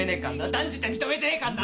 断じて認めてねえかんな！